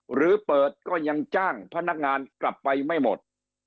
หรือเปิดก็ยังจ้างพนักงานกลับไปไม่หมด